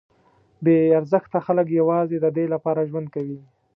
بې ارزښته خلک یوازې ددې لپاره ژوند کوي.